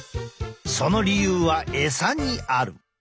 その理由は餌にある。